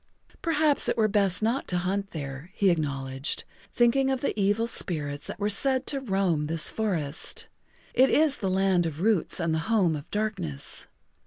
"Perhaps it were best not to hunt there," he acknowledged, thinking of the evil spirits that were said to roam this forest. "It is the Land of Roots and the Home of Darkness.